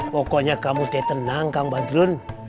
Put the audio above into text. pokoknya kamu tetanang kang badrun